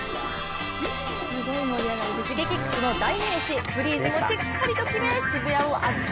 Ｓｈｉｇｅｋｉｘの代名詞、フリーズもしっかりと決め、渋谷を熱く！